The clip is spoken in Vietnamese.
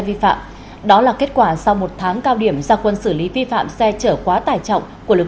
vi phạm đó là kết quả sau một tháng cao điểm gia quân xử lý vi phạm xe chở quá tải trọng của lực